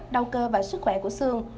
đau cơ và sức khỏe của xương